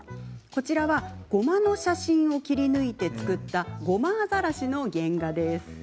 こちらは、ゴマの写真を切り抜いて作ったゴマアザラシの原画です。